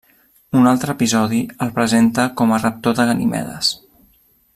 Un altre episodi el presenta com a raptor de Ganimedes.